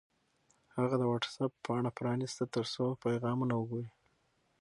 هغه د وټس-اپ پاڼه پرانیسته ترڅو پیغامونه وګوري.